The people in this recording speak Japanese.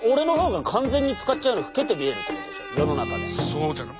そうじゃない？